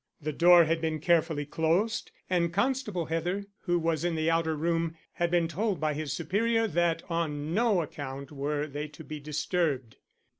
The door had been carefully closed, and Constable Heather, who was in the outer room, had been told by his superior that on no account were they to be disturbed.